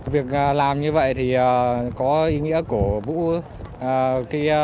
việc làm như vậy thì có ý nghĩa của